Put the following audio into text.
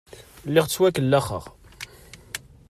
Lliɣ ttwakellaxeɣ.